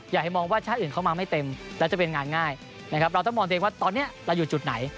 อยากให้มองว่าชาติอื่นเข้ามาไม่เต็มและจะเป็นงานง่ายนะครับเราต้องมองตัวเองว่าตอนนี้เราอยู่จุดไหน